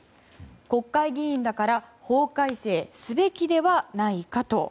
国会議員だから法改正すべきではないかと。